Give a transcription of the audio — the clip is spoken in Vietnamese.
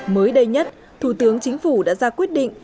mới đây nhất thủ tướng chính phủ đã ra quyết định